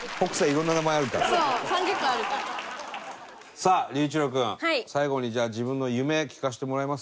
さあ龍一郎君最後にじゃあ自分の夢聞かせてもらえますか？